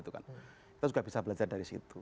kita juga bisa belajar dari situ